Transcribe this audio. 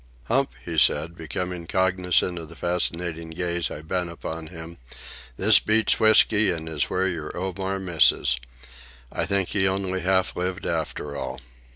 "Hump," he said, becoming cognizant of the fascinated gaze I bent upon him, "this beats whisky and is where your Omar misses. I think he only half lived after all."